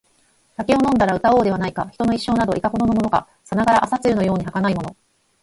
酒を飲んだら歌おうではないか／人の一生など、いかほどのものか／さながら朝露のように儚いもの